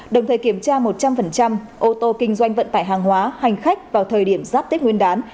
đồng thời kiểm tra một trăm linh ô tô kinh doanh vận tải hàng hóa hành khách vào thời điểm giáp tết nguyên đán